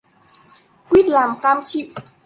Quýt làm cam chịu